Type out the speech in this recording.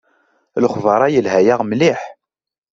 Lexber-a yelha-yaɣ mliḥ.